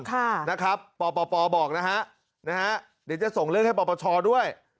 ค่ะนะครับปปบอกนะฮะนะฮะเดี๋ยวจะส่งเรื่องให้ปปชด้วย